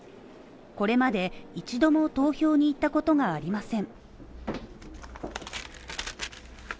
これまで一度も投票に行ったことがありません。